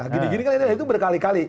gini gini kan ini itu berkali kali